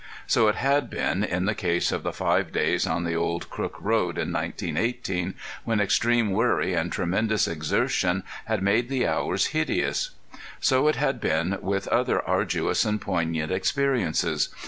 So it had been in the case of the five days on the old Crook road in 1918, when extreme worry and tremendous exertion had made the hours hideous. So it had been with other arduous and poignant experiences.